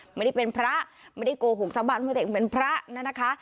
ไม่ได้เป็นพระไม่ได้โกหกสมบัติพระเจกต์เป็นพระนะคะ